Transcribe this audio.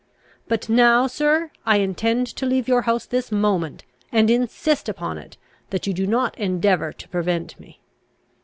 But now, sir, I intend to leave your house this moment, and insist upon it, that you do not endeavour to prevent me."